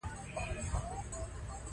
کیمیاګر یو پیاوړی معنوي شخصیت دی.